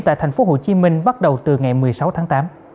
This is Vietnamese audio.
tại tp hcm bắt đầu từ ngày một mươi sáu tháng tám